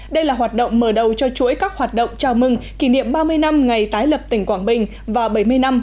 đây là hoạt động mở đầu cho chuỗi các hoạt động chào mừng kỷ niệm ba mươi năm ngày tái lập tỉnh quảng bình và bảy mươi năm